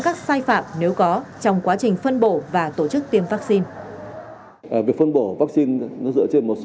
các sai phạm nếu có trong quá trình phân bổ và tổ chức tiêm vaccine việc phân bổ vaccine nó dựa trên một số